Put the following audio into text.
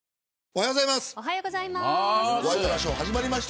おはようございます。